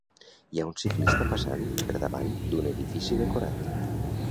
Hi ha un ciclista passant per davant d'un edifici decorat.